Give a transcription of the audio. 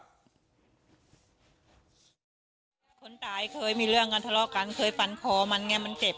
คนตายเคยมีเรื่องกันทะเลาะกันเคยฟันคอมันไงมันเจ็บ